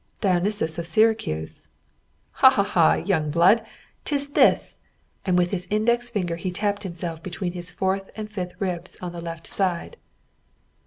"Dionysius of Syracuse." "Ha! ha! ha! Young blood! 'Tis this!" and with his index finger he tapped himself between his fourth and fifth ribs on the left hand side.